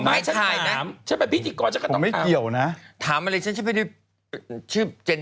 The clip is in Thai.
เปิดตัวในไทรรัฐว่ามันปวดเลยมันน่าจะไม่ได้อืนหน่ะ